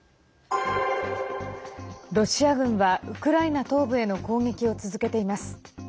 ロシア軍はウクライナ東部への攻撃を続けています。